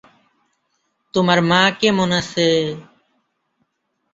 তোমার মা কেমন আছে?